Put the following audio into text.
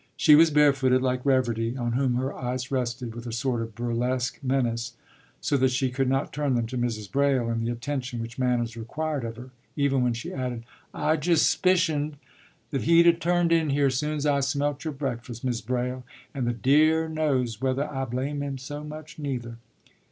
She was barefooted, like Reverdy, on whom her eyes rested with a sort of burlesque menace, so that she could not turn them to Mrs. Braile in the attention which manners required of her, even when she added, “I just 'spicioned that he'd 'a' turned in here, soon's I smelt your breakfas', Mrs. Braile; and the dear knows whether I blame him so much, nuther.